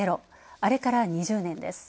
あれから２０年です。